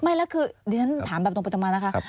ไม่แล้วคือดิฉันถามแบบตรงไปตรงมานะคะ